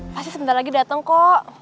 pasti sebentar lagi datang kok